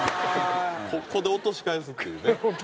ここで落とし返すっていうね。